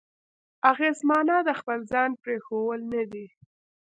اغېز معنا د خپل ځان پرېښوول نه دی.